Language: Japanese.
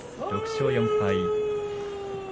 ６勝４敗。